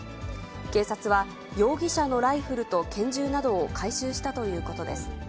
警察は、容疑者のライフルと拳銃などを回収したということです。